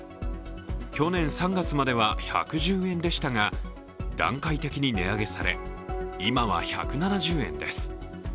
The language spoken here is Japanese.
去年３月までは１１０円でしたが段階的に値上げされ今は１７０円です。